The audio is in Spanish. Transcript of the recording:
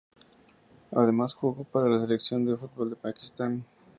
Además jugó para la selección de fútbol de Pakistán.